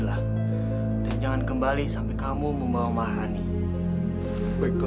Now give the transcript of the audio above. lihat hidung mata sangat mirip dengan ibuku